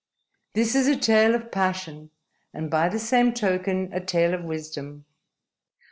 _ _This is a tale of passion, and, by the same token, a tale of wisdom.